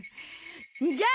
じゃあ！